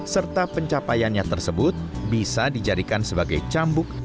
serta pencapaiannya tersebut bisa dijadikan sebagai cambuk akhirnya